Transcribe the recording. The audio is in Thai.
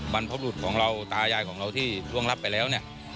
บรรพบรุษของเราตายายของเราที่ร่วงรับไปแล้วเนี่ย